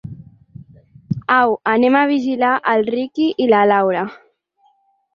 Au, anem a vigilar el Riqui i la Laura.